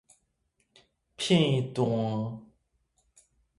片段